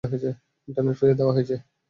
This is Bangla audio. ইন্টারনেট ফিরিয়ে দেয়া হয়েছে।